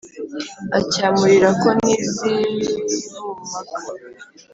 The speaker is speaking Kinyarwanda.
acyamurira ko n’iz’ i bumpaka